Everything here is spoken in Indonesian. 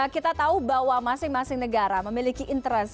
kita tahu bahwa masing masing negara memiliki interest